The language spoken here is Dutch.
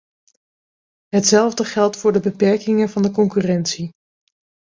Hetzelfde geldt voor de beperkingen van de concurrentie.